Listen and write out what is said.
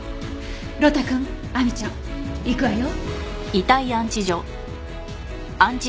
呂太くん亜美ちゃん行くわよ。